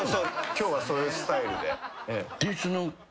今日はそういうスタイルで。